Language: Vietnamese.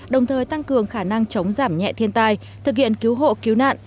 đồng thời tăng cường khả năng chống giảm nhẹ thiên tai thực hiện cứu hộ cứu nạn